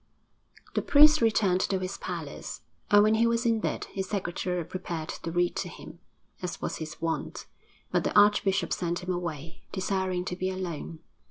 VI The priest returned to his palace, and when he was in bed his secretary prepared to read to him, as was his wont, but the archbishop sent him away, desiring to be alone.